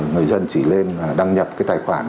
người dân chỉ lên đăng nhập cái tài khoản